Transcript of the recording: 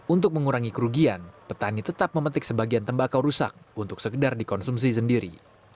untuk mengurangi kerugian petani tetap memetik sebagian tembakau rusak untuk sekedar dikonsumsi sendiri